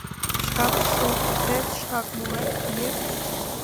— Шкак шоктет, шкак мурет, туге?